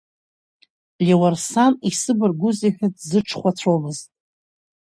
Леуарсан исыбаргузеи ҳәа дзыҽхәацәомызт.